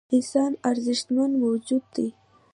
انسان ارزښتمن موجود دی .